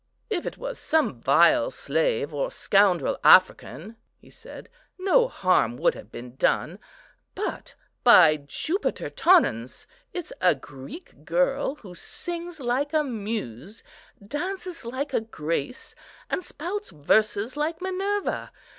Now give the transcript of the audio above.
"If it was some vile slave or scoundrel African," he said, "no harm would have been done; but, by Jupiter Tonans, it's a Greek girl, who sings like a Muse, dances like a Grace, and spouts verses like Minerva.